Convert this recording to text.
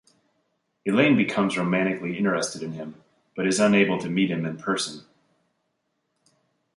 Elaine becomes romantically interested in him, but is unable to meet him in person.